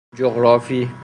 جغرافی